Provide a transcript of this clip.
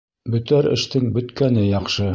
Бөтәр эштең бөткәне яҡшы.